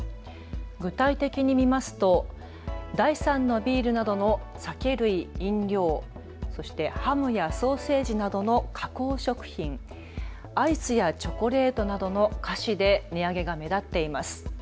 具体的に見ますと第３のビールなどの酒類・飲料、そしてハムやソーセージなどの加工食品、アイスやチョコレートなどの菓子で値上げが目立っています。